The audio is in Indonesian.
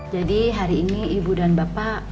jadi hari ini ibu dan bapak